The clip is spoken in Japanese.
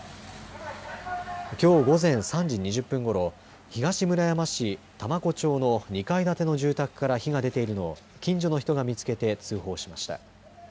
きょう午前３時２０分ごろ東村山市多摩湖町の２階建ての住宅から火が出ているのを近所の人が見つけて通報しました。